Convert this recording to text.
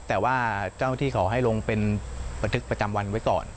แต่ว่าเจ้าที่ขอให้ลงเป็นบันทึกประจำวันไว้ก่อน